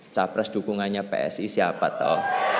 capres dukungannya psi siapa tau